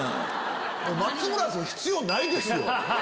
松村君必要ないですよ。